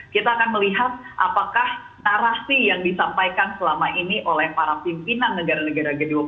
kita akan melihat apakah narasi yang disampaikan selama ini oleh para pimpinan negara negara g dua puluh